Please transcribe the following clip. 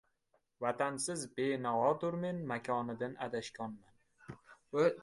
Vatansiz benavodurmen, makonidin adashgonman